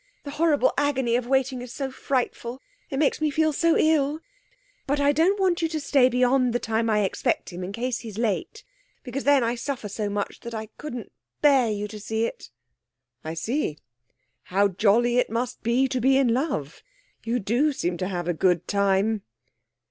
The horrible agony of waiting is so frightful! It makes me feel so ill. But I don't want you to stay beyond the time I expect him, in case he's late. Because then I suffer so much that I couldn't bear you to see it.' 'I see. How jolly it must be to be in love! You do seem to have a good time.'